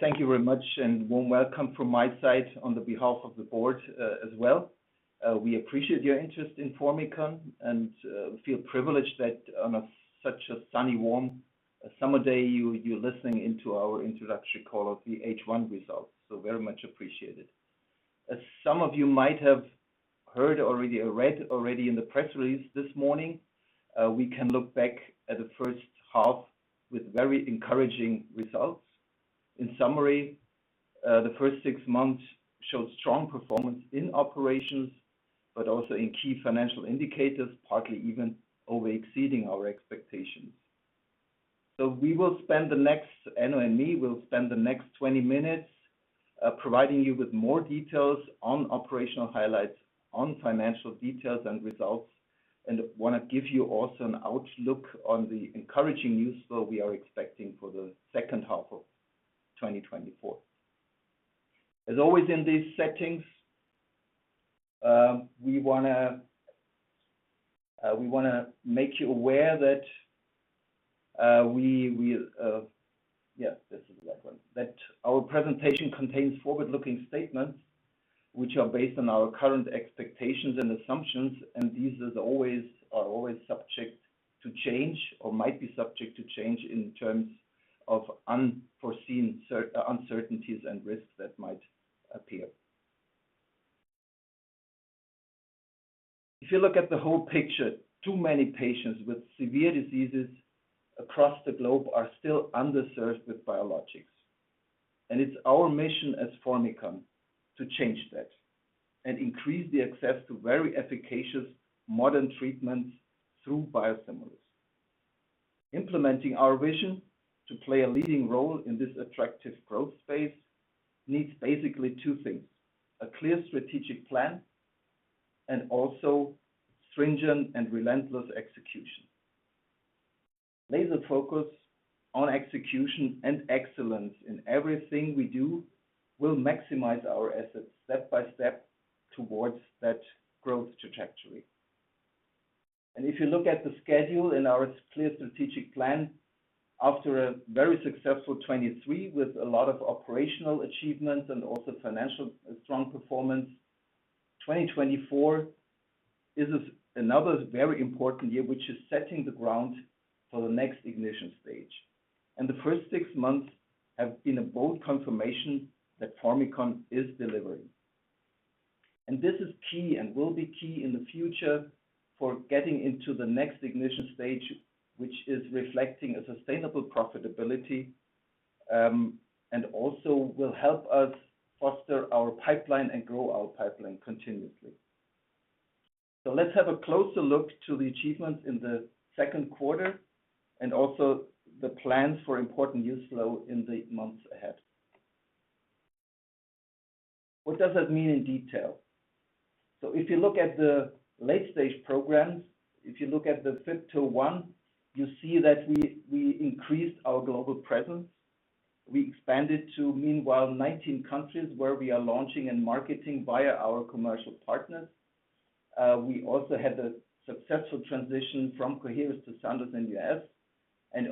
Thank you very much, and warm welcome from my side on behalf of the board, as well. We appreciate your interest in Formycon, and feel privileged that on such a sunny, warm, summer day, you, you're listening into our introductory call of the H1 results. So very much appreciated. As some of you might have heard already or read already in the press release this morning, we can look back at the first half with very encouraging results. In summary, the first six months showed strong performance in operations, but also in key financial indicators, partly even over-exceeding our expectations. So we will spend the next, Enno and me, will spend the next 20 minutes providing you with more details on operational highlights, on financial details and results, and want to give you also an outlook on the encouraging news flow we are expecting for the second half of 2024. As always, in these settings, we want to make you aware that our presentation contains forward-looking statements, which are based on our current expectations and assumptions, and these is always, are always subject to change or might be subject to change in terms of unforeseen uncertainties and risks that might appear. If you look at the whole picture, too many patients with severe diseases across the globe are still underserved with biologics. It's our mission as Formycon to change that and increase the access to very efficacious modern treatments through biosimilars. Implementing our vision to play a leading role in this attractive growth space needs basically two things: a clear strategic plan and also stringent and relentless execution. Laser focus on execution and excellence in everything we do, will maximize our assets step by step towards that growth trajectory. If you look at the schedule in our clear strategic plan, after a very successful 2023 with a lot of operational achievements and also financial strong performance, 2024 is another very important year, which is setting the ground for the next ignition stage. The first six months have been a bold confirmation that Formycon is delivering. This is key and will be key in the future for getting into the next ignition stage, which is reflecting a sustainable profitability, and also will help us foster our pipeline and grow our pipeline continuously. Let's have a closer look to the achievements in the second quarter and also the plans for important news flow in the months ahead. What does that mean in detail? If you look at the late-stage programs, if you look at the FYB201, you see that we increased our global presence. We expanded to meanwhile 19 countries where we are launching and marketing via our commercial partners. We also had a successful transition from Coherus to Sandoz in the US.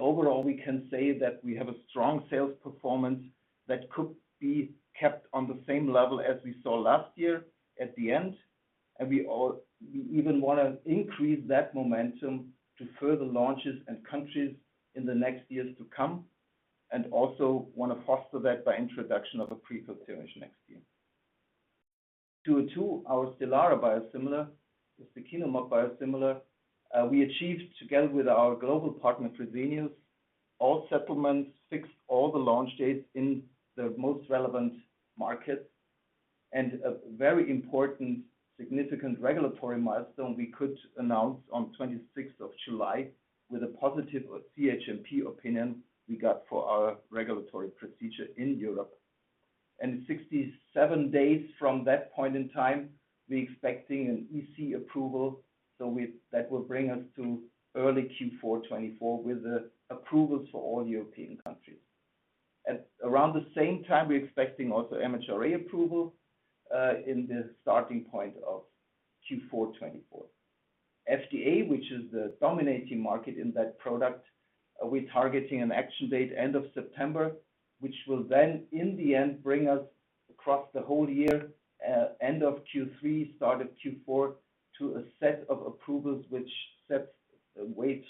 Overall, we can say that we have a strong sales performance that could be kept on the same level as we saw last year at the end, and we even want to increase that momentum to further launches and countries in the next years to come, and also want to foster that by introduction of a pre-filled syringe next year. FYB202, our Stelara biosimilar, the ustekinumab biosimilar, we achieved together with our global partner, Fresenius, all supplements, fixed all the launch dates in the most relevant markets. And a very important, significant regulatory milestone we could announce on twenty-sixth of July with a positive CHMP opinion we got for our regulatory procedure in Europe. 67 days from that point in time, we're expecting an EC approval, so that will bring us to early Q4 2024 with the approvals for all European countries. At around the same time, we're expecting also MHRA approval in the starting point of Q4 2024. FDA, which is the dominating market in that product, we're targeting an action date end of September, which will then, in the end, bring us across the whole year, end of Q3, start of Q4, to a set of approvals which sets the weight,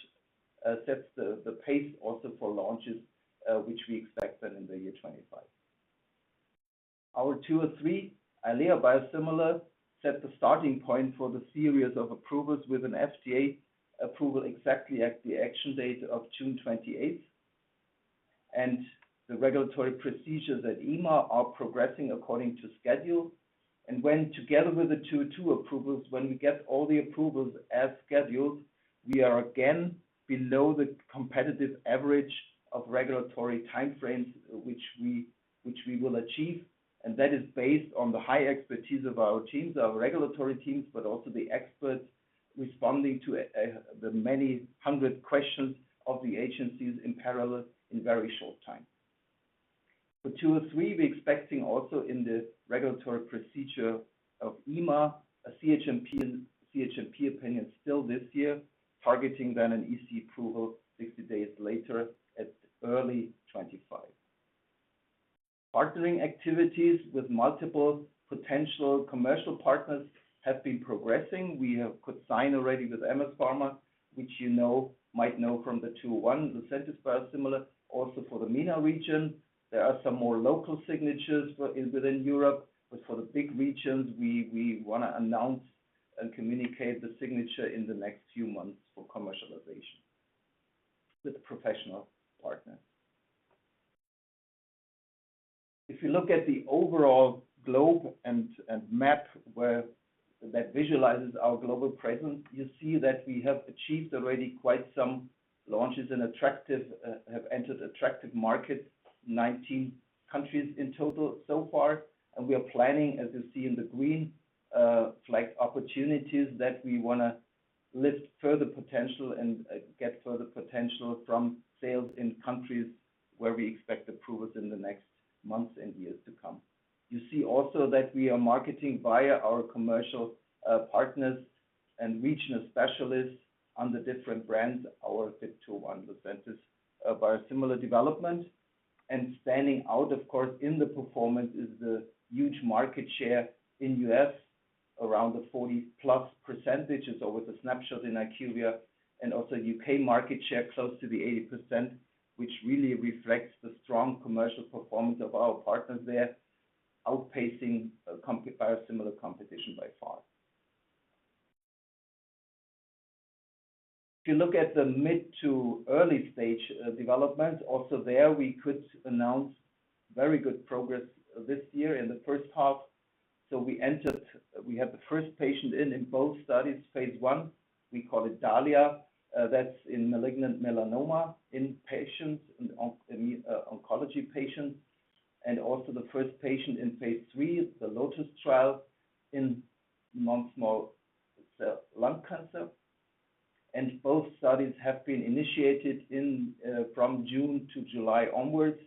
sets the pace also for launches, which we expect that in the year 2025. Our FYB203, Eylea biosimilar, set the starting point for the series of approvals with an FDA approval exactly at the action date of June 28. The regulatory procedures at EMA are progressing according to schedule. When, together with the two approvals, when we get all the approvals as scheduled, we are again below the competitive average of regulatory time frames, which we, which we will achieve. And that is based on the high expertise of our teams, our regulatory teams, but also the experts responding to the many hundred questions of the agencies in parallel in very short time. For 203, we're expecting also in the regulatory procedure of EMA, a CHMP opinion still this year, targeting then an EC approval 60 days later at early 2025. Marketing activities with multiple potential commercial partners have been progressing. We have could sign already with MS Pharma, which you know, might know from the 201, the ranibizumab biosimilar. Also for the MENA region, there are some more local signatures for in within Europe, but for the big regions, we, we want to announce and communicate the signature in the next few months for commercialization with professional partners. If you look at the overall globe and, and map where that visualizes our global presence, you see that we have achieved already quite some launches and attractive, have entered attractive markets, 19 countries in total so far. And we are planning, as you see in the green, flag opportunities, that we wanna lift further potential and, get further potential from sales in countries where we expect approvals in the next months and years to come. You see also that we are marketing via our commercial, partners and regional specialists on the different brands, our FYB201 Lucentis, via biosimilar development. Standing out, of course, in the performance, is the huge market share in U.S., around the 40+%, or with the snapshot in IQVIA, and also U.K. market share, close to the 80%, which really reflects the strong commercial performance of our partners there, outpacing biosimilar competition by far. If you look at the mid to early stage development, also there we could announce very good progress this year in the first half. So we had the first patient in both studies, phase I, we call it DAHLIA, that's in malignant melanoma in patients, in oncology patients, and also the first patient in phase III, the LOTUS trial, in non-small cell lung cancer. Both studies have been initiated in from June to July onwards,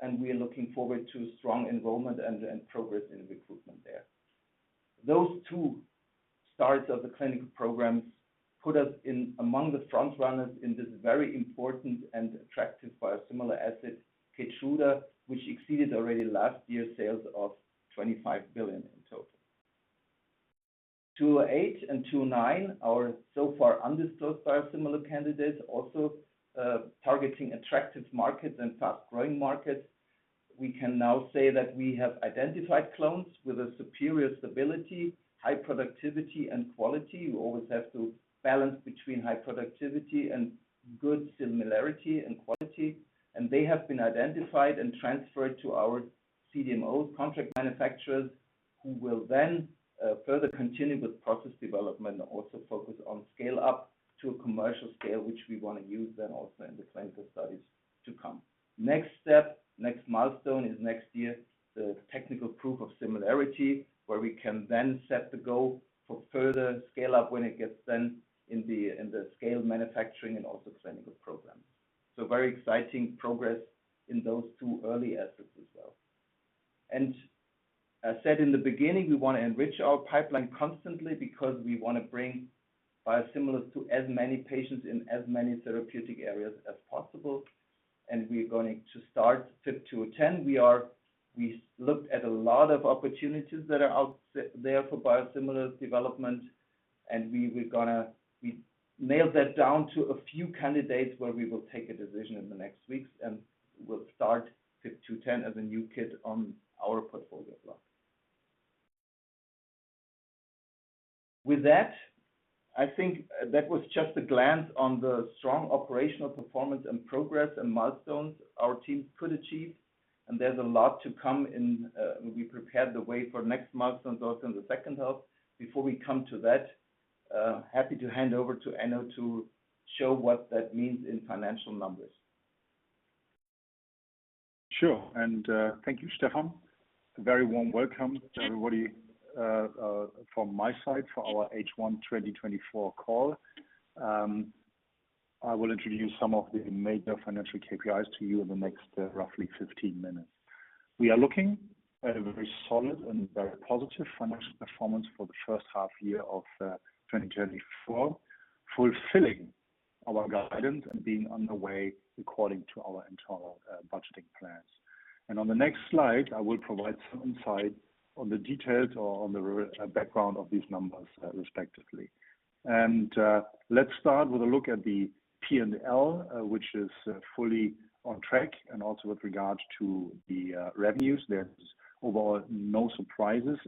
and we are looking forward to strong enrollment and progress in recruitment there. Those two starts of the clinical programs put us in among the front runners in this very important and attractive biosimilar asset, Keytruda, which exceeded already last year's sales of $25 billion in total. FYB208 and FYB209 are so far undisclosed biosimilar candidates, also targeting attractive markets and fast-growing markets. We can now say that we have identified clones with a superior stability, high productivity, and quality. We always have to balance between high productivity and good similarity and quality, and they have been identified and transferred to our CDMO contract manufacturers, who will then further continue with process development and also focus on scale up to a commercial scale, which we want to use then also in the clinical studies to come. Next step, next milestone, is next year, the technical proof of similarity, where we can then set the goal for further scale up when it gets then in the scale manufacturing and also clinical program. So very exciting progress in those two early assets as well. I said in the beginning, we want to enrich our pipeline constantly because we want to bring biosimilars to as many patients in as many therapeutic areas as possible, and we're going to start FYB210. We looked at a lot of opportunities that are out there for biosimilar development, and we nailed that down to a few candidates where we will take a decision in the next weeks, and we'll start FYB210 as a new kid on our portfolio as well. With that, I think that was just a glance on the strong operational performance and progress and milestones our team could achieve, and there's a lot to come in, we prepared the way for next milestones also in the second half. Before we come to that, happy to hand over to Enno to show what that means in financial numbers. Sure. And, thank you, Stefan. A very warm welcome to everybody from my side for our H1 2024 call. I will introduce some of the major financial KPIs to you in the next roughly 15 minutes. We are looking at a very solid and very positive financial performance for the first half year of 2024, fulfilling our guidance and being on the way according to our internal budgeting plans. And on the next slide, I will provide some insight on the details or on the background of these numbers, respectively. And, let's start with a look at the P&L, which is fully on track and also with regards to the revenues. There's overall no surprises.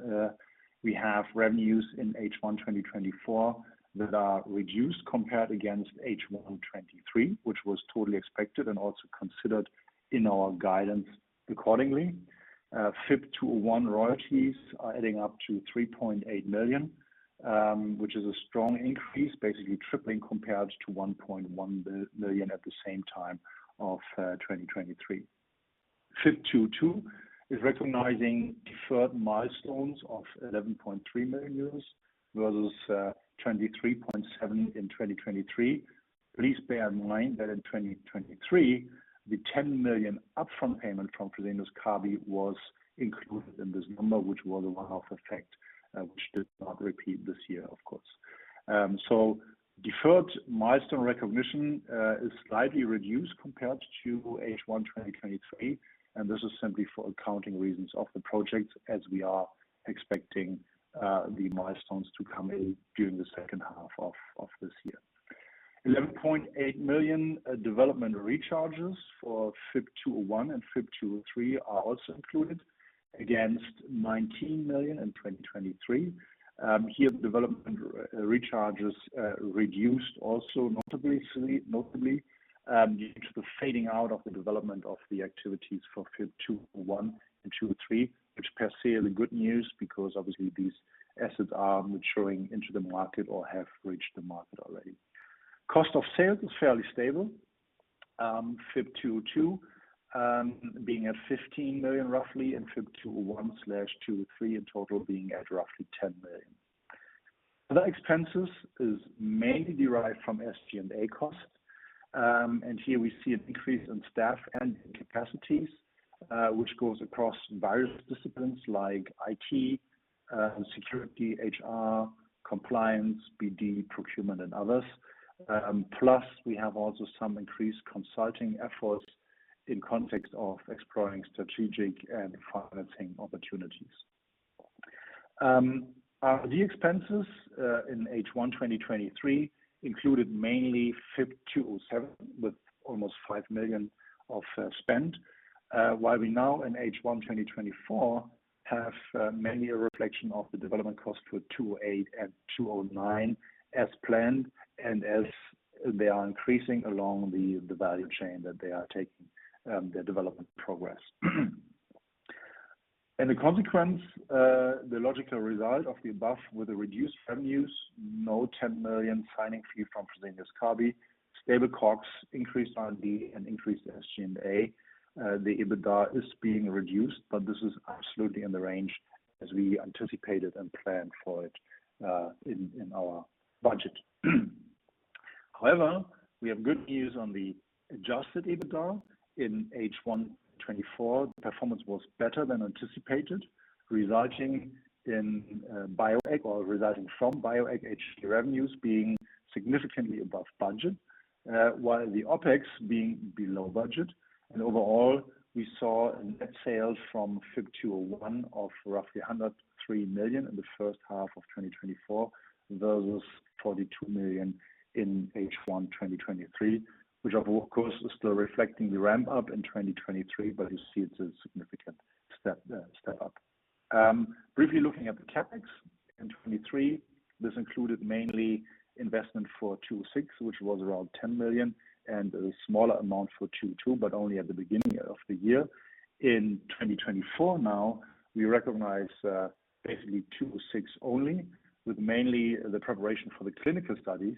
We have revenues in H1 2024 that are reduced compared against H1 2023, which was totally expected and also considered in our guidance accordingly. FYB201 royalties are adding up to 3.8 million, which is a strong increase, basically tripling compared to 1.1 million at the same time of 2023. FYB202 is recognizing deferred milestones of 11.3 million euros, versus 23.7 million in 2023. Please bear in mind that in 2023, the 10 million upfront payment from Fresenius Kabi was included in this number, which was a one-off effect, which did not repeat this year, of course. So deferred milestone recognition is slightly reduced compared to H1 2023, and this is simply for accounting reasons of the project as we are expecting the milestones to come in during the second half of this year. 11.8 million development recharges for FYB201 and FYB203 are also included against 19 million in 2023. Here development recharges reduced also notably due to the fading out of the development of the activities for FYB201 and FYB203, which per se are the good news, because obviously these assets are maturing into the market or have reached the market already. Cost of sales is fairly stable, FYB202 being at roughly 15 million, and FYB201 / FYB203 in total being at roughly 10 million. Other expenses is mainly derived from SG&A costs. And here we see a decrease in staff and capacities, which goes across various disciplines like IT, security, HR, compliance, BD, procurement, and others. Plus, we have also some increased consulting efforts in context of exploring strategic and financing opportunities. The expenses in H1 2023 included mainly FYB207, with almost 5 million of spend. While we now in H1 2024 have mainly a reflection of the development cost for FYB208 and FYB209 as planned, and as they are increasing along the value chain that they are taking their development progress. And the consequence, the logical result of the above with the reduced revenues, no 10 million signing fee from Fresenius Kabi, stable COGS increased R&D and increased the SG&A. The EBITDA is being reduced, but this is absolutely in the range as we anticipated and planned for it in our budget. However, we have good news on the adjusted EBITDA. In H1 2024, the performance was better than anticipated, resulting in Bioeq or resulting from Bioeq H1 revenues being significantly above budget, while the OpEx being below budget. Overall, we saw net sales from FYB201 of roughly 103 million in the first half of 2024, versus 42 million in H1 2023, which of course is still reflecting the ramp up in 2023, but you see it's a significant step up. Briefly looking at the CapEx in 2023, this included mainly investment for FYB206, which was around 10 million, and a smaller amount for FYB202, but only at the beginning of the year. In 2024 now, we recognize basically 206 only, with mainly the preparation for the clinical studies.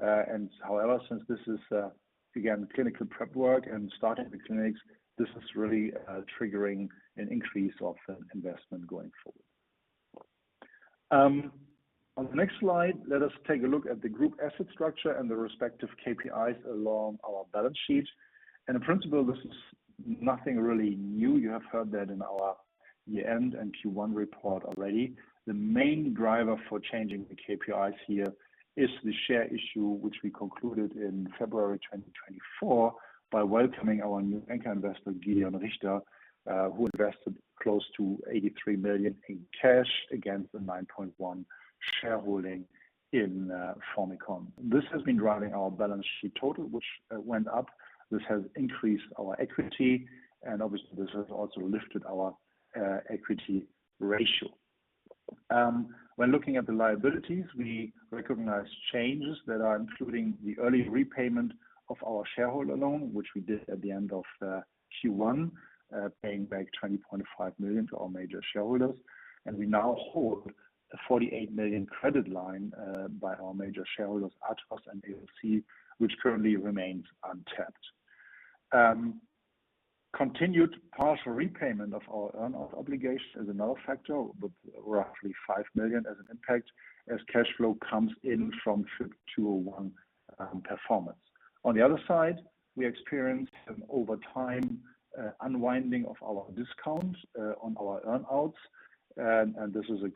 However, since this is again clinical prep work and starting the clinics, this is really triggering an increase of investment going forward. On the next slide, let us take a look at the group asset structure and the respective KPIs along our balance sheet. In principle, this is nothing really new. You have heard that in our year-end and Q1 report already. The main driver for changing the KPIs here is the share issue, which we concluded in February 2024, by welcoming our new anchor investor, Gedeon Richter, who invested close to 83 million in cash against the 9.1 shareholding in Formycon. This has been driving our balance sheet total, which went up. This has increased our equity, and obviously, this has also lifted our equity ratio. When looking at the liabilities, we recognize changes that are including the early repayment of our shareholder loan, which we did at the end of Q1, paying back 20.5 million to our major shareholders. And we now hold a 48 million credit line by our major shareholders, Athos and AOC, which currently remains untapped. Continued partial repayment of our earnout obligations is another factor, with roughly 5 million as an impact, as cash flow comes in from FYB201 performance. On the other side, we experienced over time unwinding of our discount on our earnouts. And this is a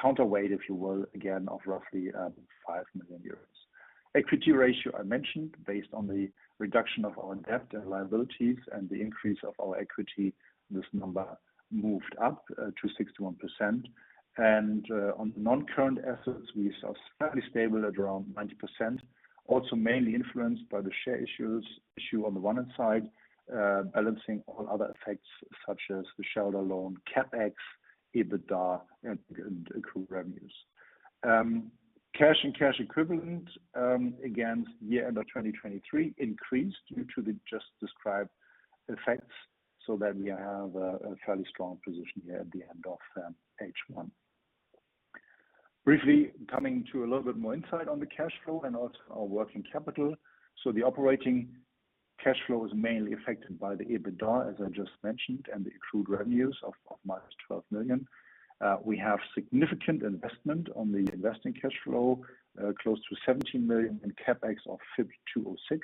counterweight, if you will, again, of roughly 5 million euros. Equity ratio, I mentioned, based on the reduction of our debt and liabilities and the increase of our equity, this number moved up to 61%. On non-current assets, we saw fairly stable at around 90%, also mainly influenced by the share issue on the one hand side, balancing all other effects, such as the shareholder loan, CapEx, EBITDA, and accrued revenues. Cash and cash equivalents, again, year-end of 2023, increased due to the just described effects, so that we have a fairly strong position here at the end of H1. Briefly, coming to a little bit more insight on the cash flow and also our working capital. The operating cash flow is mainly affected by the EBITDA, as I just mentioned, and the accrued revenues of -12 million. We have significant investment on the investing cash flow, close to 17 million in CapEx of FYB206,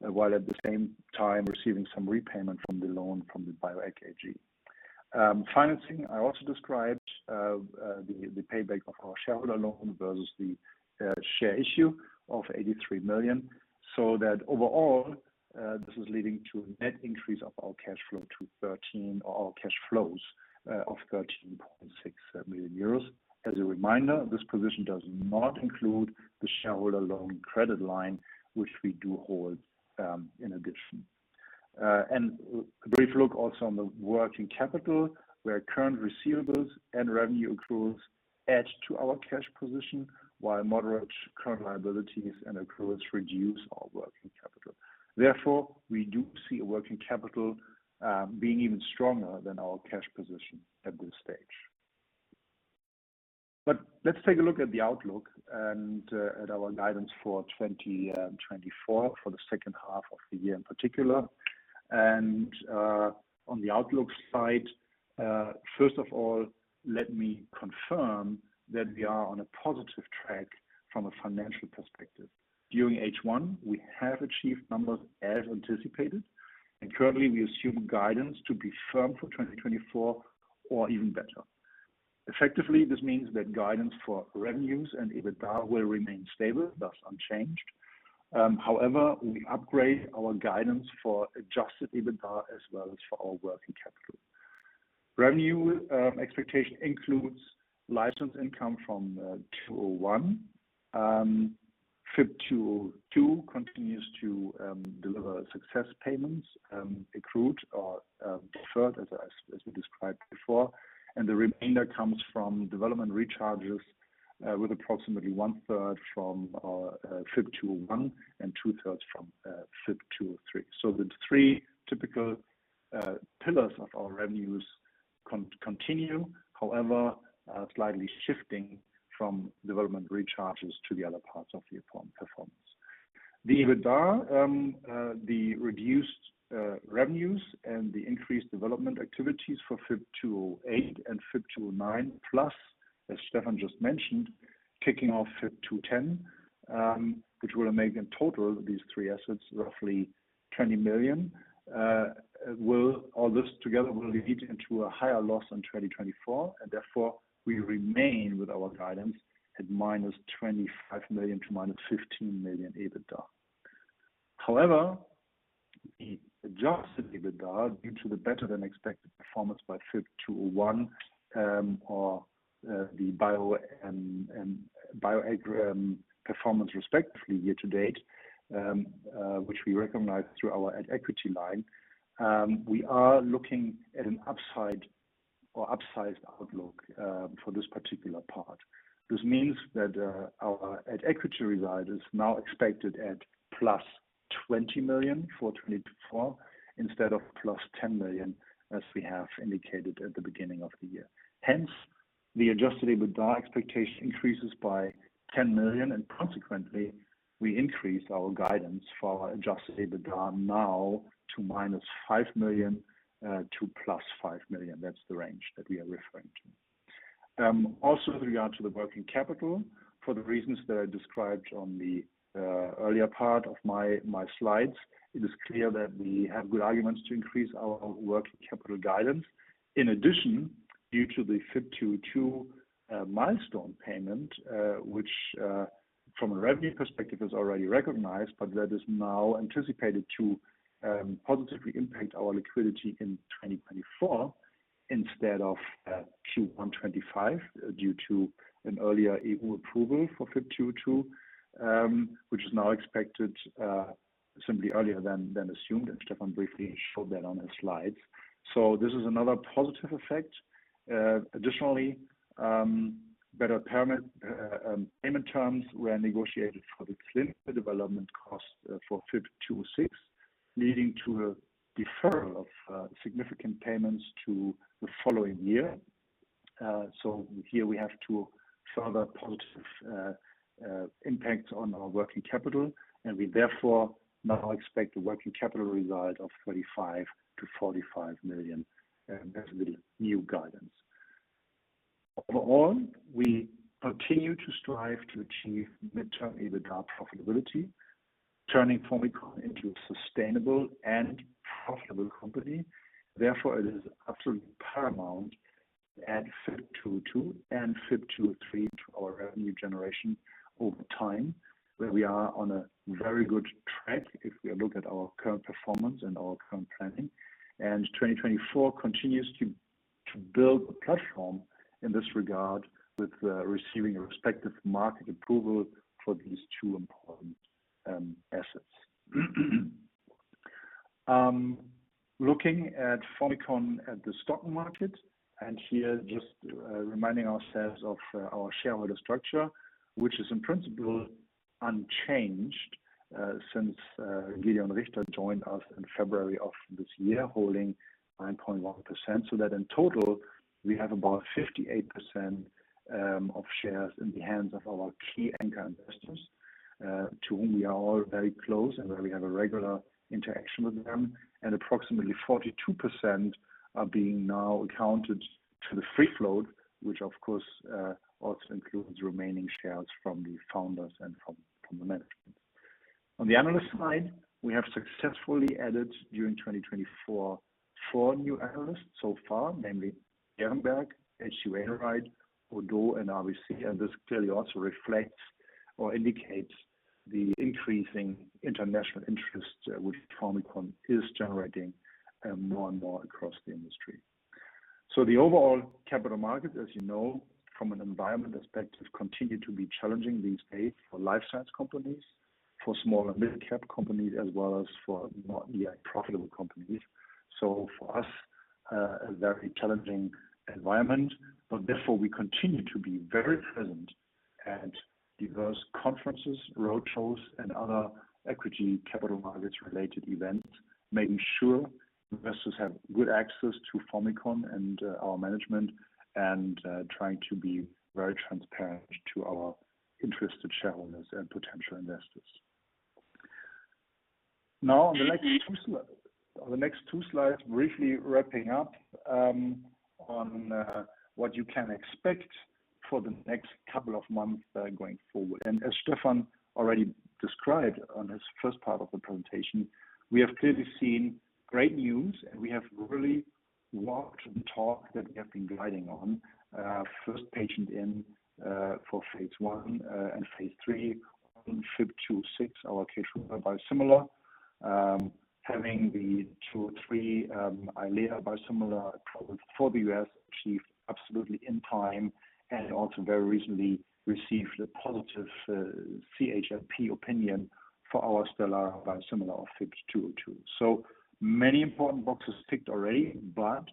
while at the same time receiving some repayment from the loan from the Bioeq AG. Financing, I also described, the payback of our shareholder loan versus the share issue of 83 million. So that overall, this is leading to a net increase of our cash flow to 13 or our cash flows of 13.6 million euros. As a reminder, this position does not include the shareholder loan credit line, which we do hold, in addition. And a brief look also on the working capital, where current receivables and revenue accruals add to our cash position, while moderate current liabilities and accruals reduce our working capital. Therefore, we do see a working capital being even stronger than our cash position at this stage. But let's take a look at the outlook and at our guidance for 2024, for the second half of the year in particular. On the outlook side, first of all, let me confirm that we are on a positive track from a financial perspective. During H1, we have achieved numbers as anticipated, and currently, we assume guidance to be firm for 2024 or even better. Effectively, this means that guidance for revenues and EBITDA will remain stable, thus unchanged. However, we upgrade our guidance for adjusted EBITDA as well as for our working capital. Revenue expectation includes license income from 201. FYB202 continues to deliver success payments, accrued or deferred, as we described before, and the remainder comes from development recharges, with approximately one-third from our FYB201 and two-thirds from FYB203. So the three typical pillars of our revenues continue, however, slightly shifting from development recharges to the other parts of the important performance. The EBITDA, the reduced revenues and the increased development activities for FYB208 and FYB209, plus, as Stefan just mentioned, kicking off FYB210, which will make in total these three assets, roughly 20 million, all this together will lead into a higher loss in 2024, and therefore, we remain with our guidance at -25 million to -15 million EBITDA. However, the adjusted EBITDA, due to the better-than-expected performance by FYB201, or the BioEq and Bioeq performance respectively, year to date, which we recognize through our at-equity line, we are looking at an upside or upsized outlook, for this particular part. This means that, our at-equity result is now expected at +20 million for 2024, instead of +10 million, as we have indicated at the beginning of the year. Hence, the adjusted EBITDA expectation increases by 10 million, and consequently, we increase our guidance for our adjusted EBITDA now to -5 million to +5 million. That's the range that we are referring to. Also with regard to the working capital, for the reasons that I described on the earlier part of my slides, it is clear that we have good arguments to increase our working capital guidance. In addition, due to the FYB202 milestone payment, which from a revenue perspective is already recognized, but that is now anticipated to positively impact our liquidity in 2024, instead of Q1 2025, due to an earlier EU approval for FYB202, which is now expected simply earlier than assumed, and Stefan briefly showed that on his slides. So this is another positive effect. Additionally, better payment terms were negotiated for the clinical development cost for FYB206, leading to a deferral of significant payments to the following year. So here we have two further positive impacts on our working capital, and we, therefore, now expect a working capital result of 35 million-45 million, and there's the new guidance. Overall, we continue to strive to achieve midterm EBITDA profitability, turning Formycon into a sustainable and profitable company. Therefore, it is absolutely paramount to add FYB202 and FYB203 to our revenue generation over time, where we are on a very good track, if we look at our current performance and our current planning. And 2024 continues to build a platform in this regard with receiving a respective market approval for these two important assets. Looking at Formycon at the stock market, and here, just, reminding ourselves of our shareholder structure, which is in principle, unchanged, since Gedeon Richter joined us in February of this year, holding 9.1%. So that in total, we have about 58% of shares in the hands of our key anchor investors to whom we are all very close and where we have a regular interaction with them, and approximately 42% are being now accounted to the free float, which, of course, also includes remaining shares from the founders and from the management. On the analyst side, we have successfully added, during 2024, 4 new analysts so far, namely Berenberg, Hauck Aufhäuser Investment Banking, ODDO BHF, and RBC. This clearly also reflects or indicates the increasing international interest, which Formycon is generating, more and more across the industry. So, the overall capital market, as you know, from an environment perspective, continue to be challenging these days for life science companies, for small and mid-cap companies, as well as for not yet profitable companies. So, for us, a very challenging environment, but therefore, we continue to be very present at diverse conferences, road shows, and other equity capital markets related events, making sure investors have good access to Formycon and, our management, and trying to be very transparent to our interested shareholders and potential investors. Now, on the next two slides, briefly wrapping up, on, what you can expect for the next couple of months, going forward. As Stefan already described on his first part of the presentation, we have clearly seen great news, and we have really walked the talk that we have been guiding on. First patient in for phase one and phase three on FYB206, our Keytruda biosimilar. Having the FYB203 Eylea biosimilar for the US, achieved absolutely on time, and also very recently received a positive CHMP opinion for our Stelara biosimilar of FYB202. So many important boxes ticked already, but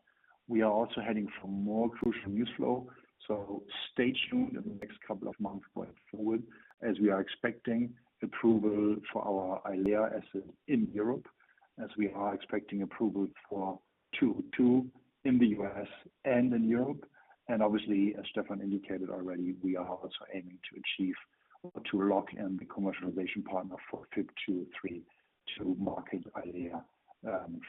we are also heading for more crucial news flow. So, stay tuned in the next couple of months going forward, as we are expecting approval for our Eylea asset in Europe, as we are expecting approval for FYB202 in the US and in Europe. Obviously, as Stefan indicated already, we are also aiming to achieve or to lock in the commercialization partner for FYB203 to market Eylea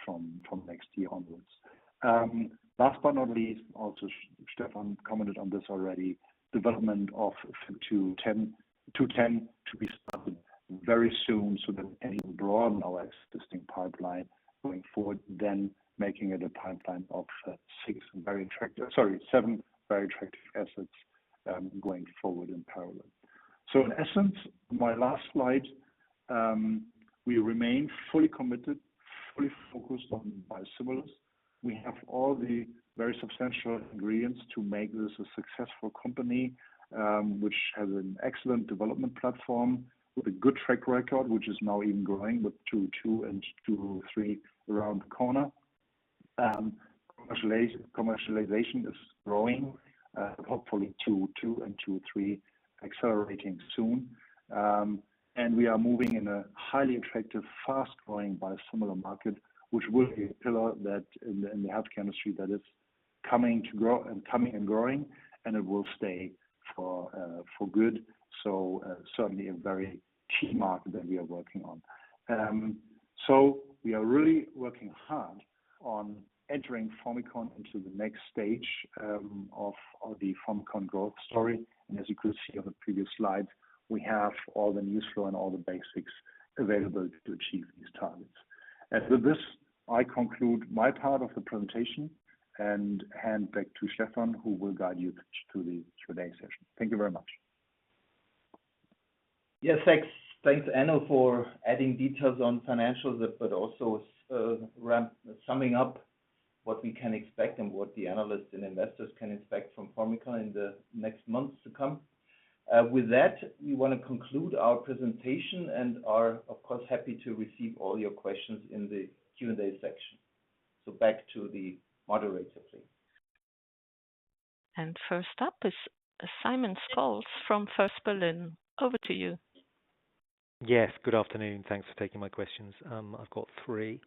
from next year onwards. Last but not least, also Stefan commented on this already, development of FYB210 to be started very soon, so that and broaden our existing pipeline going forward, then making it a pipeline of six very attractive, sorry, seven very attractive assets going forward in parallel. In essence, my last slide, we remain fully committed, fully focused on biosimilars. We have all the very substantial ingredients to make this a successful company, which has an excellent development platform with a good track record, which is now even growing with 202 and 203 around the corner. Commercialization is growing, hopefully 202 and 203 accelerating soon. And we are moving in a highly attractive, fast-growing biosimilar market, which will be a pillar that in the, in the health chemistry, that is coming to grow and coming and growing, and it will stay for, for good. So, certainly a very key market that we are working on. So, we are really working hard on entering Formycon into the next stag e, of the Formycon growth story. And as you could see on the previous slide, we have all the news flow and all the basics available to achieve these targets. And with this, I conclude my part of the presentation and hand back to Stefan, who will guide you to the Q&A session. Thank you very much. Yes, thanks. Thanks, Enno, for adding details on financials, but also summing up what we can expect and what the analysts and investors can expect from Formycon in the next months to come. With that, we want to conclude our presentation and are, of course, happy to receive all your questions in the Q&A section. So back to the moderator, please. First up is Simon Scholes from First Berlin. Over to you. Yes, good afternoon. Thanks for taking my questions. I've got three.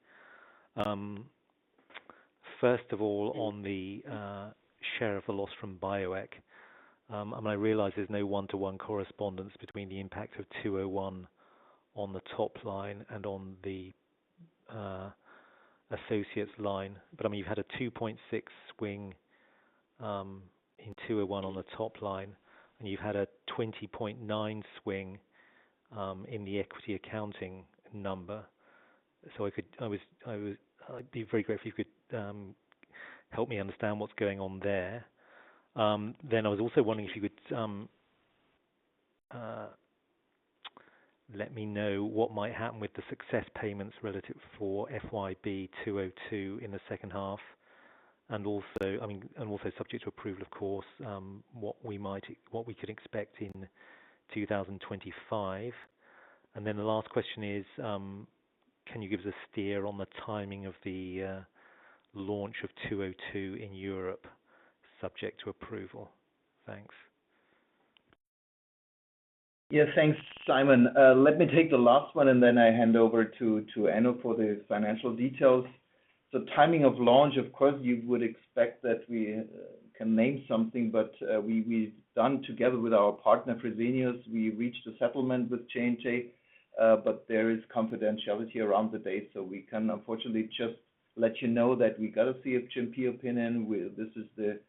First of all, on the share of the loss from Bioeq. And I realize there's no one-to-one correspondence between the impact of 201 on the top line and on the associates line, but I mean, you've had a 2.6 swing in 201 on the top line, and you've had a 20.9 swing in the equity accounting number. So I'd be very grateful if you could help me understand what's going on there. Then I was also wondering if you could let me know what might happen with the success payments relative for FYB202 in the second half, and also, I mean, and also subject to approval, of course, what we might, what we could expect in 2025. And then the last question is, can you give us a steer on the timing of the launch of 202 in Europe, subject to approval? Thanks. Yeah, thanks, Simon. Let me take the last one, and then I hand over to Enno for the financial details. So timing of launch, of course, you would expect that we can name something, but we've done together with our partner, Fresenius. We reached a settlement with J&J, but there is confidentiality around the date, so we can unfortunately just let you know that we got a CHMP opinion. This is the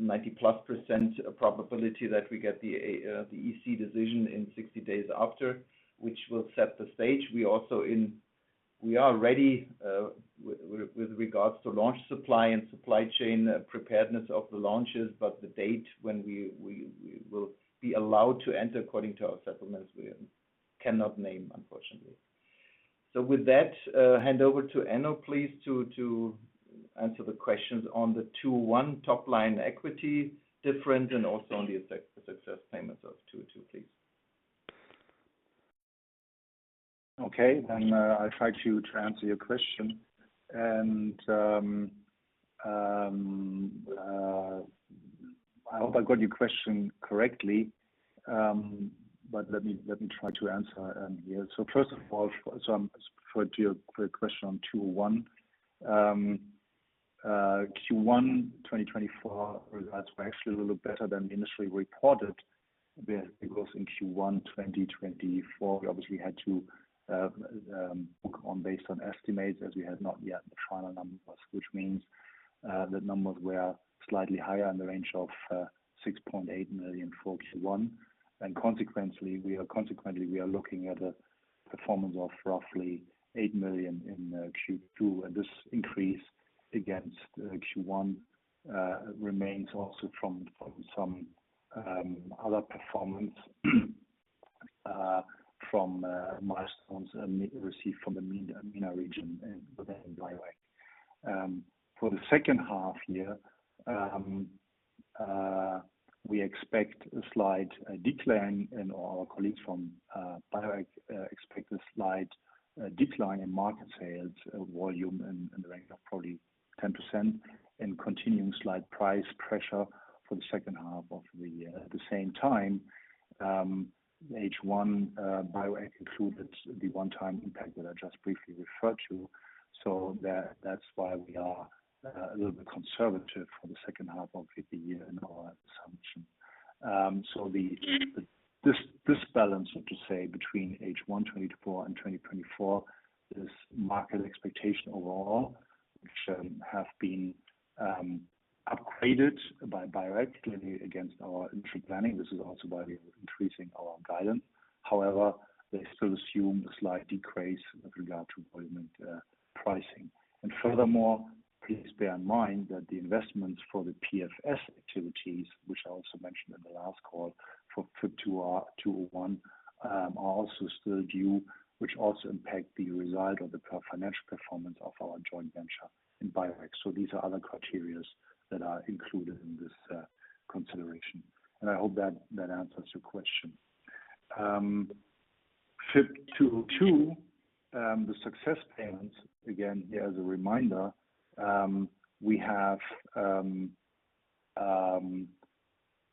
90+% probability that we get the EC decision in 60 days after, which will set the stage. We also are ready with regards to launch supply and supply chain preparedness of the launches, but the date when we will be allowed to enter according to our settlements, we cannot name, unfortunately. So with that, hand over to Enno, please, to answer the questions on the 201 top line equity difference and also on the success payments of 202, please. Okay. Then, I'll try to answer your question. And, I hope I got your question correctly, but let me try to answer here. So first of all, I'm referring to your quick question on FYB201. Q1 2024 results were actually a little better than initially reported, because in Q1 2024, we obviously had to book based on estimates, as we had not yet the final numbers, which means the numbers were slightly higher in the range of 6.8 million for Q1. And consequently, we are looking at a performance of roughly 8 million in Q2, and this increase against Q1 remains also from some other performance from milestones received from the MENA region and within Bioeq. For the second half year, we expect a slight decline, and our colleagues from Bioeq expect a slight decline in market sales volume and the range of probably 10%, and continuing slight price pressure for the second half of the year. At the same time, H1 Bioeq included the one-time impact that I just briefly referred to, so that's why we are a little bit conservative for the second half of the year in our assumption. So this balance, so to say, between H1 2024 and 2024, is market expectation overall, which have been upgraded by Bioeq, clearly against our initial planning. This is also why we're increasing our guidance. However, they still assume a slight decrease with regard to volume and pricing. Furthermore, please bear in mind that the investments for the PFS activities, which I also mentioned in the last call for FYB201, are also still due, which also impact the result of the financial performance of our joint venture in Bioeq. So these are other criteria that are included in this consideration, and I hope that answers your question. FYB202, the success payments, again, as a reminder, we have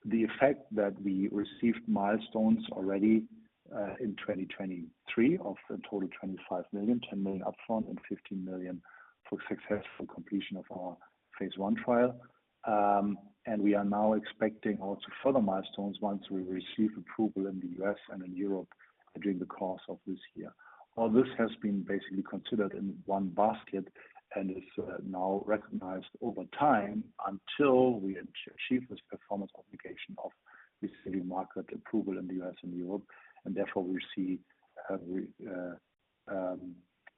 the effect that we received milestones already in 2023, of the total 25 million, 10 million upfront and 15 million for successful completion of our phase one trial. And we are now expecting also further milestones once we receive approval in the U.S. and in Europe during the course of this year. All this has been basically considered in one basket and is now recognized over time until we achieve this performance obligation of receiving market approval in the US and Europe, and therefore we see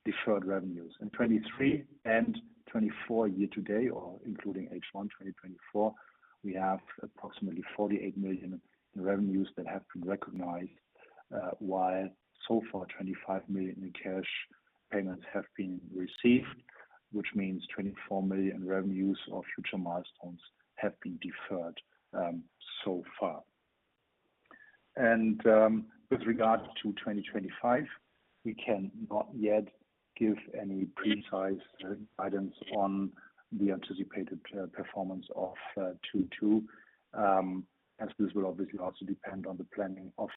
deferred revenues. In 2023 and 2024 year to date, or including H1 2024, we have approximately 48 million in revenues that have been recognized, while so far 25 million in cash payments have been received, which means 24 million revenues or future milestones have been deferred, so far. With regard to 2025, we cannot yet give any precise guidance on the anticipated performance of 2-2, as this will obviously also depend on the planning of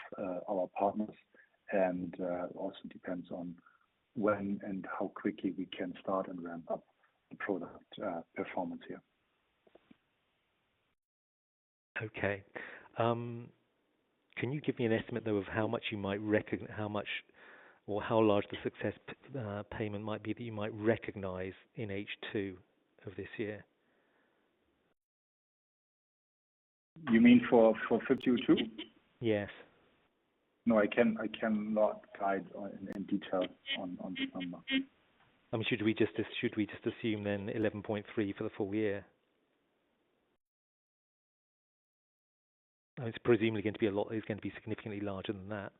our partners, and also depends on when and how quickly we can start and ramp up the product performance here. Okay. Can you give me an estimate, though, of how much or how large the success payment might be, that you might recognize in H2 of this year? You mean for FYB202? Yes. No, I can't. I cannot guide in detail on the number. Should we just assume then 11.3 for the full year? And it's presumably going to be a lot, it's going to be significantly larger than that.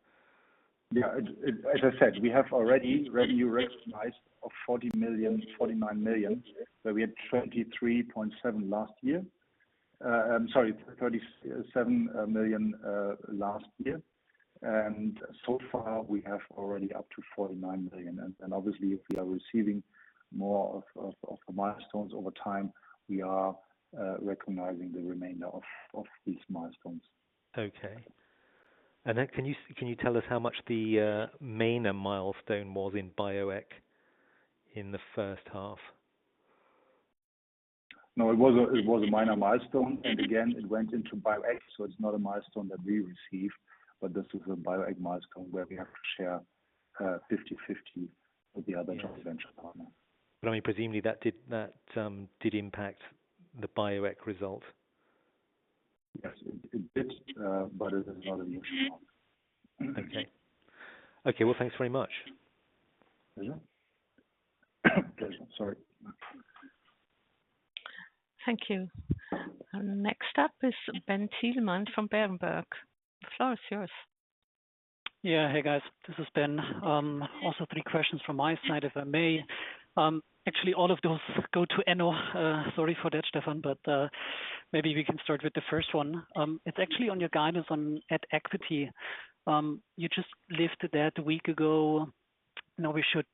Yeah, as I said, we have already revenue recognized of 40 million, 49 million, but we had 23.7 last year. Sorry, 37 million last year. And so far, we have already up to 49 million. And, and obviously, if we are receiving more of, of, of the milestones over time, we are recognizing the remainder of, of these milestones. Okay. And then can you, can you tell us how much the main milestone was in Bioeq in the first half? No, it was a minor milestone, and again, it went into Bioeq, so it's not a milestone that we received, but this is a Bioeq milestone where we have to share 50/50 with the other joint venture partner. I mean, presumably, that did impact the Bioeq result. Yes, it did, but it is not unusual. Okay. Okay, well, thanks very much. Pleasure. Pleasure. Sorry. Thank you. Next up is Ben Thielemann from Berenberg. The floor is yours. Yeah. Hey, guys, this is Ben. Also 3 questions from my side, if I may. Actually, all of those go to Enno. Sorry for that, Stefan, but, maybe we can start with the first one. It's actually on your guidance on at equity. You just lifted that a week ago. Now we should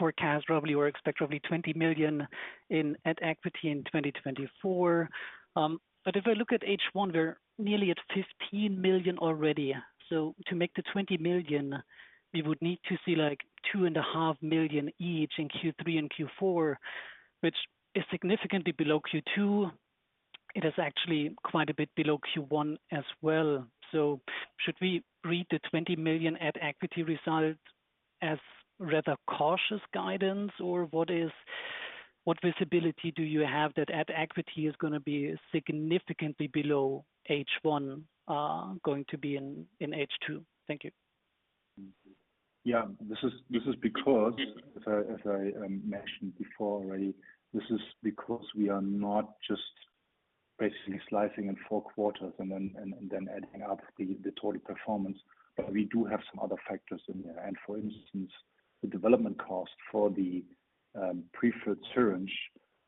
forecast probably or expect probably 20 million in at equity in 2024. But if I look at H1, we're nearly at 15 million already. So to make the 20 million, we would need to see, like, 2.5 million each in Q3 and Q4, which is significantly below Q2. It is actually quite a bit below Q1 as well. So should we read the 20 million at equity result as rather cautious guidance, or what visibility do you have that at equity is gonna be significantly below H1, going to be in H2? Thank you. Yeah, this is because, as I mentioned before already, this is because we are not just basically slicing in four quarters and then adding up the total performance. But we do have some other factors in there. And for instance, the development cost for the prefilled syringe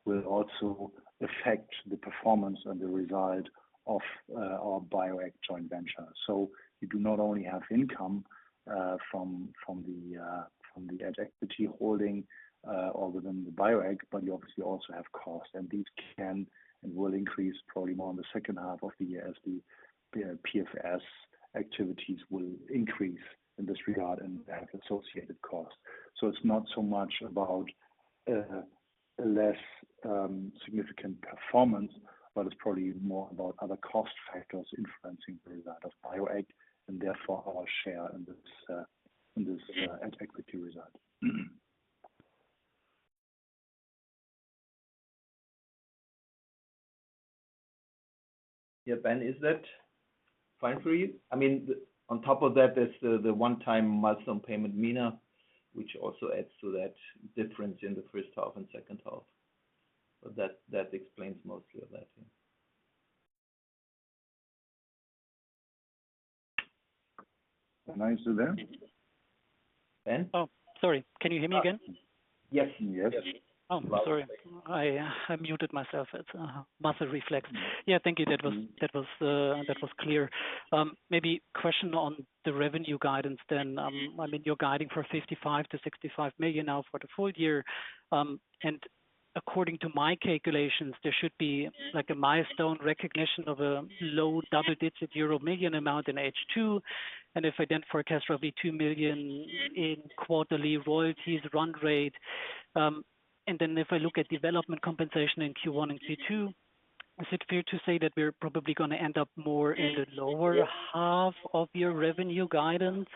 will also affect the performance and the result of our Bioeq joint venture. So we do not only have income from the at equity holding other than the Bioeq, but you obviously also have costs, and these can and will increase probably more in the second half of the year as the PFS activities will increase in this regard and have associated costs. So it's not so much about a less significant performance, but it's probably more about other cost factors influencing the result of Bioeq and therefore our share in this at equity result. Yeah, Ben, is that fine for you? I mean, on top of that, there's the one-time milestone payment, MENA, which also adds to that difference in the first half and second half. But that explains mostly of that. Am I still there? Ben? Oh, sorry. Can you hear me again? Yes. Yes. Oh, sorry. I, I muted myself. It's a muscle reflex. Yeah, thank you. Mm-hmm. That was, that was, that was clear. Maybe question on the revenue guidance then. Mm-hmm. I mean, you're guiding for 55 million-65 million now for the full year. And according to my calculations, there should be like a milestone recognition of a low double-digit euro million amount in H2. And if I then forecast roughly 2 million in quarterly royalties run rate, and then if I look at development compensation in Q1 and Q2, is it fair to say that we're probably gonna end up more in the lower half of your revenue guidance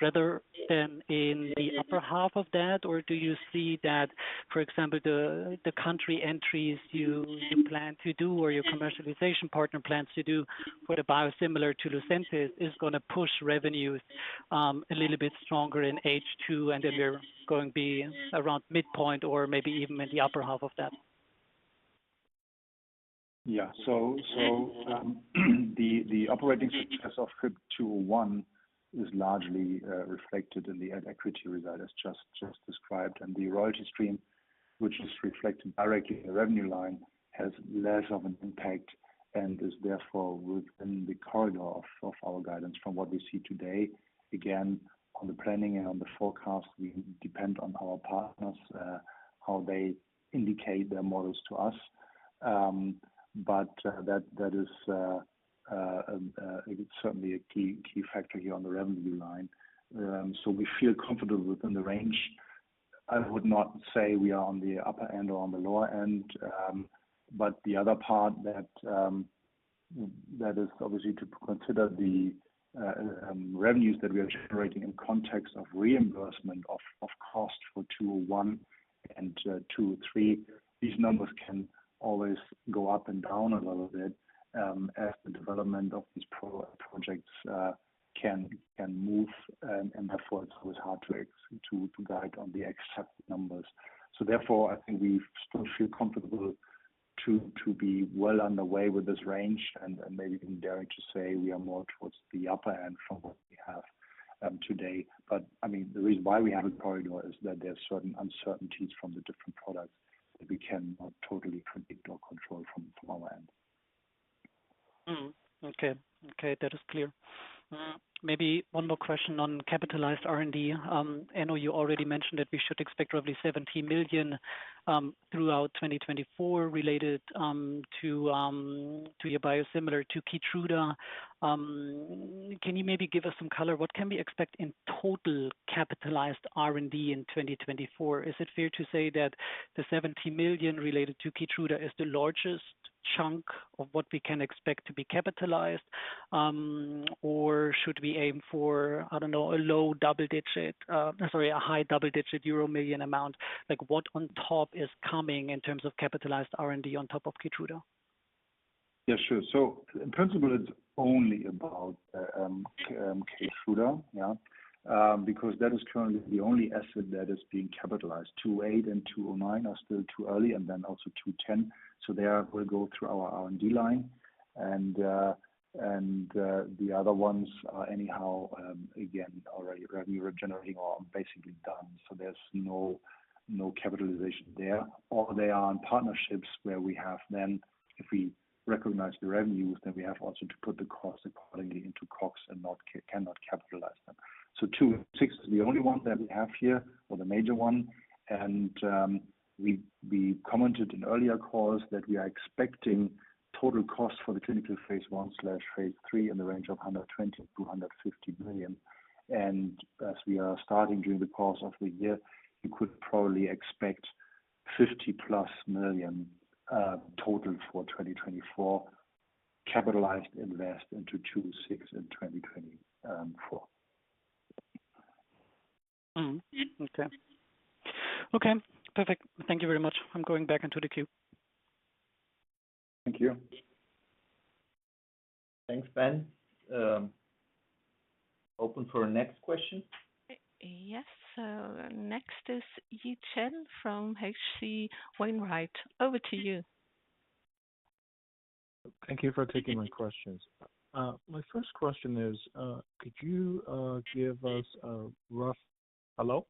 rather than in the upper half of that? Or do you see that, for example, the country entries you plan to do, or your commercialization partner plans to do with a biosimilar to Lucentis is gonna push revenues a little bit stronger in H2, and then we're going to be around midpoint or maybe even in the upper half of that. Yeah. So, the operating success of FYB201 is largely reflected in the at equity result as just described. And the royalty stream, which is reflected directly in the revenue line, has less of an impact and is therefore within the corridor of our guidance from what we see today. Again, on the planning and on the forecast, we depend on our partners how they indicate their models to us. But that is certainly a key factor here on the revenue line. So we feel comfortable within the range. I would not say we are on the upper end or on the lower end. But the other part that is obviously to consider the revenues that we are generating in context of reimbursement of cost for FYB201 and FYB203. These numbers can always go up and down a little bit, as the development of these projects can move, and therefore, it's always hard to exactly guide on the exact numbers. So therefore, I think we still feel comfortable to be well on the way with this range and maybe even daring to say we are more towards the upper end from what we have today. But I mean, the reason why we have a corridor is that there are certain uncertainties from the different products that we cannot totally predict or control from our end. Mm-hmm. Okay. Okay, that is clear. Maybe one more question on capitalized R&D. I know you already mentioned that we should expect roughly 17 million throughout 2024 related to, To your biosimilar, to Keytruda. Can you maybe give us some color? What can we expect in total capitalized R&D in 2024? Is it fair to say that the 70 million related to Keytruda is the largest chunk of what we can expect to be capitalized, or should we aim for, I don't know, a low double digit, sorry, a high double-digit euro million amount? Like, what on top is coming in terms of capitalized R&D on top of Keytruda? Yeah, sure. So, in principle, it's only about Keytruda, yeah. Because that is currently the only asset that is being capitalized. Two eight and two or nine are still too early, and then also two ten. So they will go through our R&D line and the other ones are anyhow, again, already revenue generating or basically done. So, there's no capitalization there, or they are in partnerships where we have then, if we recognize the revenues, then we have also to put the costs accordingly into costs and cannot capitalize them. So, two, six is the only one that we have here, or the major one, and we commented in earlier calls that we are expecting total costs for the clinical phase 1/phase 3 in the range of 120 million-150 million. As we are starting during the course of the year, you could probably expect 50+ million total for 2024, capitalized invested into 206 in 2024. Mm-hmm. Okay. Okay, perfect. Thank you very much. I'm going back into the queue. Thank you. Thanks, Ben. Open for next question. Yes. So next is Yi Chen from H.C. Wainwright. Over to you. Thank you for taking my questions. My first question is, could you give us a rough... Hello?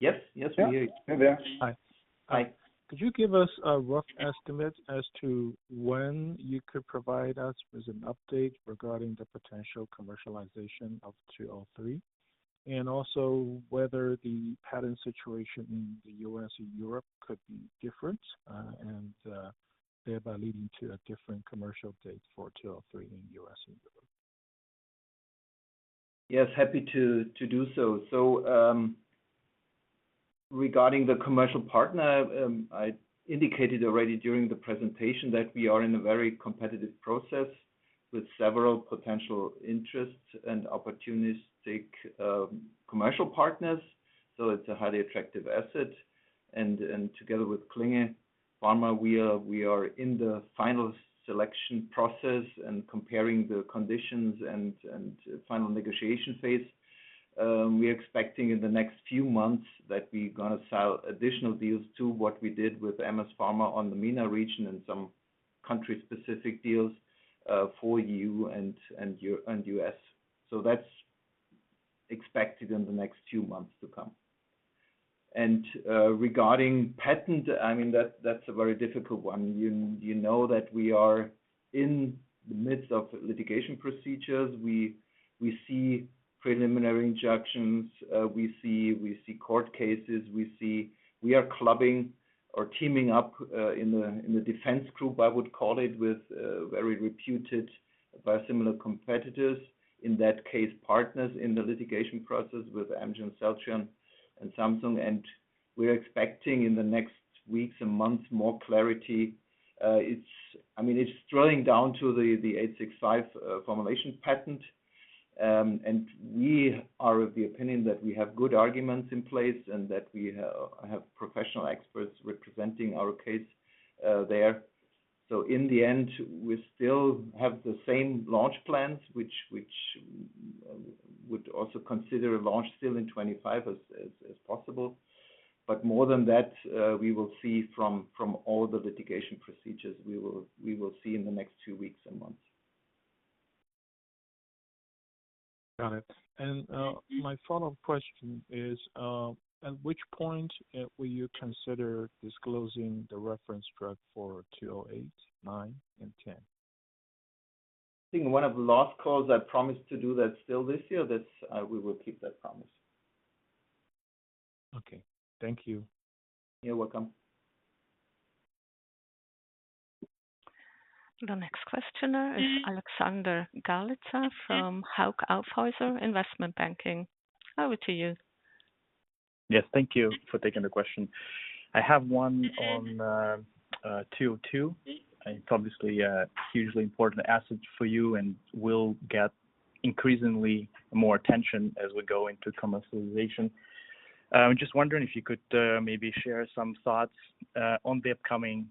Yes. Yes, we hear you. Hey there. Hi. Could you give us a rough estimate as to when you could provide us with an update regarding the potential commercialization of 203, and also whether the patent situation in the U.S. and Europe could be different, thereby leading to a different commercial date for 203 in the U.S. and Europe? Yes, happy to do so. So, regarding the commercial partner, I indicated already during the presentation that we are in a very competitive process with several potential interests and opportunistic commercial partners. So it's a highly attractive asset, and together with Klinge Pharma, we are in the final selection process and comparing the conditions and final negotiation phase. We are expecting in the next few months that we're going to sell additional deals to what we did with MS Pharma on the MENA region and some country-specific deals for EU and UK and US. So that's expected in the next few months to come. And, regarding patent, I mean, that's a very difficult one. You know that we are in the midst of litigation procedures. We see preliminary injunctions. We see court cases. We see... We are clubbing or teaming up in the defense group, I would call it, with very reputed biosimilar competitors, in that case, partners in the litigation process with Amgen, Celltrion, and Samsung. We are expecting in the next weeks and months, more clarity. I mean, it's throwing down to the 865 formulation patent. And we are of the opinion that we have good arguments in place and that we have professional experts representing our case there. So in the end, we still have the same launch plans, which would also consider a launch still in 2025 as possible. But more than that, we will see from all the litigation procedures, we will see in the next two weeks and months. Got it. My follow-up question is, at which point, will you consider disclosing the reference drug for 208, 209, and 210? I think in one of the last calls, I promised to do that still this year. That's, we will keep that promise. Okay. Thank you. You're welcome. The next questioner is Alexander Galitsa from Hauck Aufhäuser Investment Banking. Over to you. Yes, thank you for taking the question. I have one on 202. It's obviously a hugely important asset for you and will get increasingly more attention as we go into commercialization. I'm just wondering if you could maybe share some thoughts on the upcoming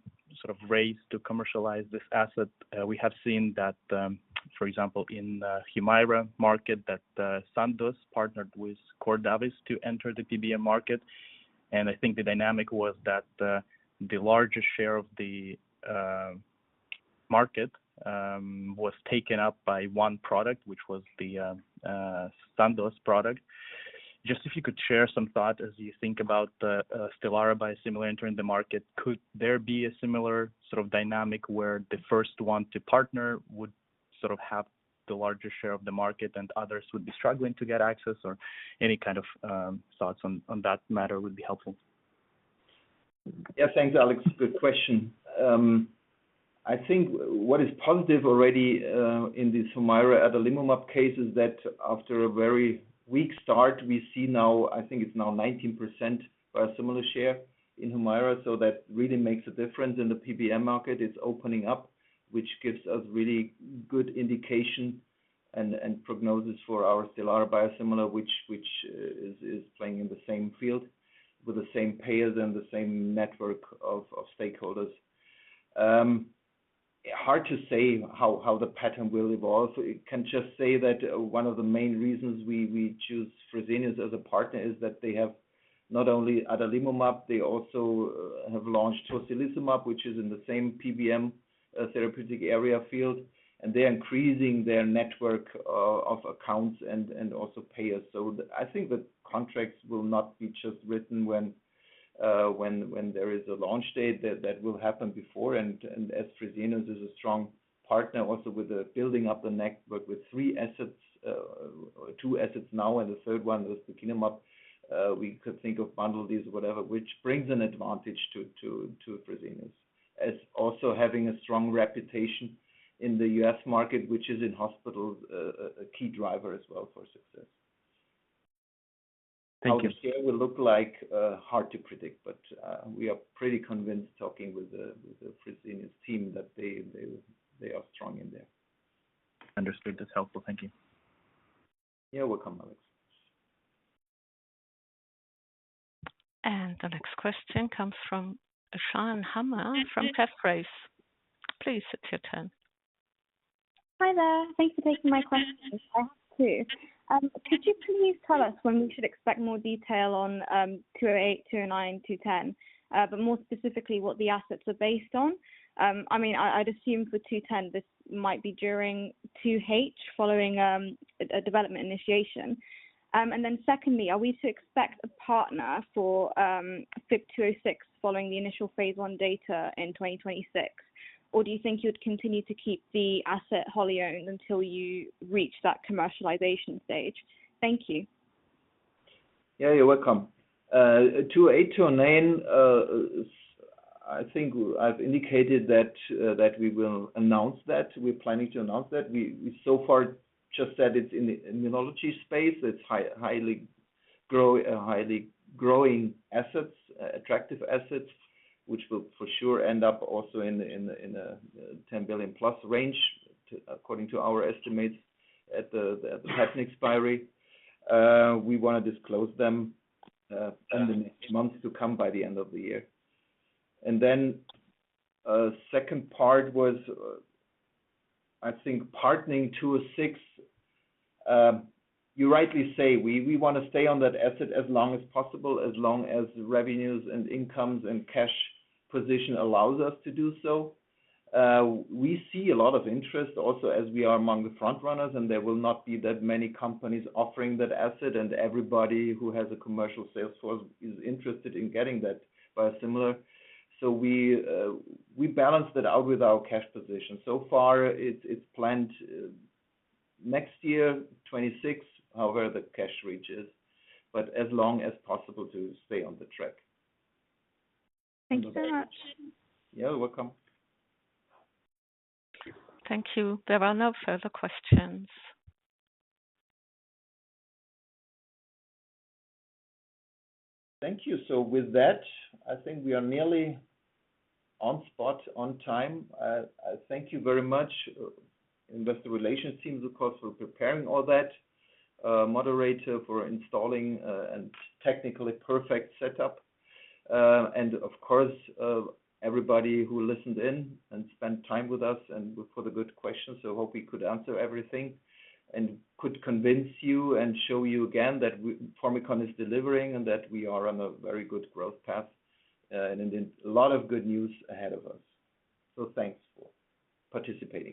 sort of race to commercialize this asset. We have seen that, for example, in Humira market, that Sandoz partnered with Cordavis to enter the PBM market. And I think the dynamic was that the largest share of the market was taken up by one product, which was the Sandoz product. Just if you could share some thoughts as you think about the Stelara biosimilar entering the market, could there be a similar sort of dynamic where the first one to partner would sort of have the larger share of the market and others would be struggling to get access or any kind of thoughts on that matter would be helpful? Yeah, thanks, Alex. Good question. I think what is positive already in this Humira adalimumab case is that after a very weak start, we see now, I think it's now 19% biosimilar share in Humira, so that really makes a difference in the PBM market. It's opening up, which gives us really good indication and prognosis for our Stelara biosimilar, which is playing in the same field with the same payers and the same network of stakeholders. Hard to say how the pattern will evolve. I can just say that one of the main reasons we choose Fresenius as a partner is that they have not only adalimumab, they also have launched tocilizumab, which is in the same PBM therapeutic area field, and they're increasing their network of accounts and also payers. So I think the contracts will not be just written when there is a launch date that will happen before. And as Fresenius is a strong partner also with building up the network with three assets, two assets now, and the third one was ustekinumab. We could think of bundle these or whatever, which brings an advantage to Fresenius. As also having a strong reputation in the U.S. market, which is in hospital, a key driver as well for success. Thank you. How it will look like, hard to predict, but we are pretty convinced, talking with the Fresenius team, that they are strong in there. Understood. That's helpful. Thank you. You're welcome, Alex. The next question comes from Sean Hammer, from Pep Race. Please, it's your turn. Hi there. Thank you for taking my question. I have two. Could you please tell us when we should expect more detail on 208, 209, 210? But more specifically, what the assets are based on. I mean, I'd assume for 210, this might be during 2H, following a development initiation. And then secondly, are we to expect a partner for FYB 206, following the initial phase 1 data in 2026? Or do you think you'd continue to keep the asset wholly owned until you reach that commercialization stage? Thank you. Yeah, you're welcome. 208, 209, I think I've indicated that, that we will announce that. We're planning to announce that. We so far just said it's in the immunology space. It's highly growing assets, attractive assets, which will for sure end up also in the $10 billion+ range, according to our estimates at the patent expiry. We want to disclose them in the next months to come by the end of the year. And then, second part was, I think, partnering 206. You rightly say, we want to stay on that asset as long as possible, as long as revenues and incomes and cash position allows us to do so. We see a lot of interest also as we are among the front runners, and there will not be that many companies offering that asset, and everybody who has a commercial sales force is interested in getting that biosimilar. So we balance that out with our cash position. So far, it's planned next year, 2026; however, the cash reaches, but as long as possible to stay on the track. Thank you very much. You're welcome. Thank you. There are no further questions. Thank you. So with that, I think we are nearly on spot, on time. I thank you very much, investor relations team, of course, for preparing all that, moderator for installing, and technically perfect setup. And of course, everybody who listened in and spent time with us and for the good questions. I hope we could answer everything and could convince you and show you again that we, Formycon is delivering and that we are on a very good growth path, and a lot of good news ahead of us. So thanks for participating.